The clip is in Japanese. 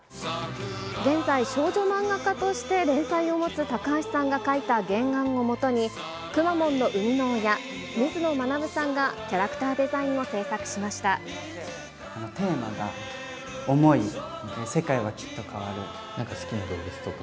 現在、少女漫画家として連載を持つ高橋さんが描いた原案をもとに、くまモンの生みの親、水野学さんがキャラクターデザインを制作しテーマが、なんか好きな動物とか？